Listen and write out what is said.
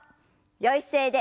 よい姿勢で。